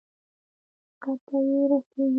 حقيقت ته يې رسېږي.